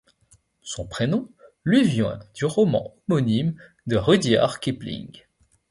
Son prénom lui vient du roman homonyme de Rudyard Kipling.